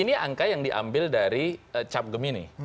ini angka yang diambil dari cap gemini